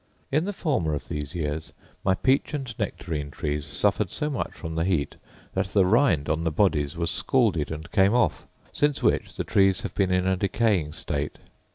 In the former of these years my peach and nectarine trees suffered so much from the heat that the rind on the bodies was scalded and came off; since which the trees have been in a decaying state.